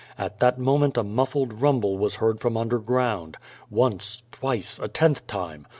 At that moment a muffled rumble was heard from underground. Once, twice, a tenth time.